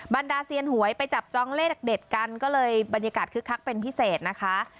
บรรดาเซียนหวยไปจับจองเลขเด็ดกันก็เลยบรรยากาศคึกคักเป็นพิเศษนะคะ